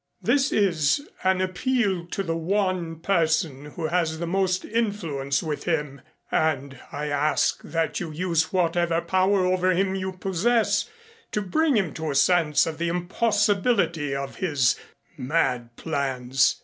This is an appeal to the one person who has the most influence with him and I ask that you use whatever power over him you possess to bring him to a sense of the impossibility of his mad plans.